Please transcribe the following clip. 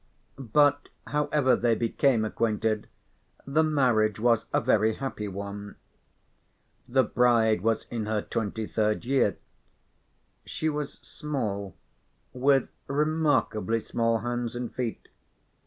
But however they became acquainted the marriage was a very happy one. The bride was in her twenty third year. She was small, with remarkably small hands and feet.